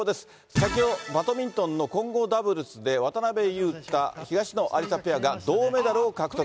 先ほど、バドミントンの混合ダブルスで、渡辺勇大・東野有紗ペアが銅メダルを獲得。